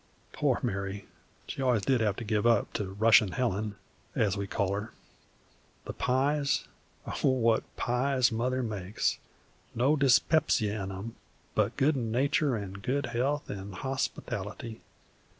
Poor Mary, she always did have to give up to 'rushin' Helen,' as we call her. The pies, oh, what pies Mother makes; no dyspepsia in 'em, but good nature an' good health an' hospitality!